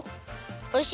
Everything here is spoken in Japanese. おいしい！